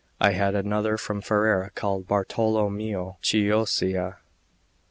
I had another from Ferrara called Bartolommeo Chioccia.